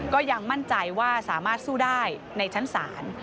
ก็ยังมั่นใจว่าสามารถสู้ได้ในชั้นศาล